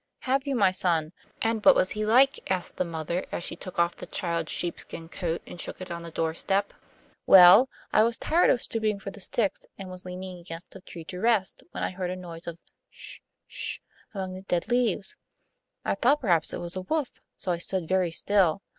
'Have you, my son; and what was he like?' asked the mother, as she took off the child's sheepskin coat and shook it on the doorstep. 'Well, I was tired of stooping for the sticks, and was leaning against a tree to rest, when I heard a noise of 'sh 'sh, among the dead leaves. I thought perhaps it was a wolf, so I stood very still.